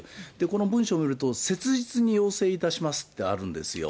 この文書を見ると、切実に要請いたしますってあるんですよ。